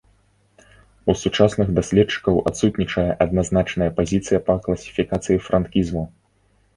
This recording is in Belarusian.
У сучасных даследчыкаў адсутнічае адназначная пазіцыя па класіфікацыі франкізму.